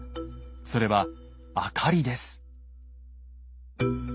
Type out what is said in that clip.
それは明かりです。